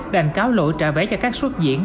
đành cáo lỗi trả vé cho các xuất diễn